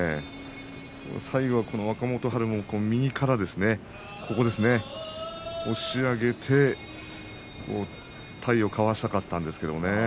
最後は若元春も右からですね押し上げて体をかわしたかったんですけれどね。